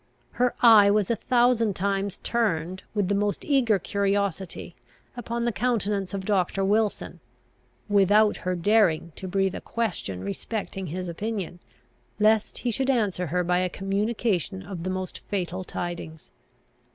Her eye was a thousand times turned, with the most eager curiosity, upon the countenance of Doctor Wilson, without her daring to breathe a question respecting his opinion, lest he should answer her by a communication of the most fatal tidings.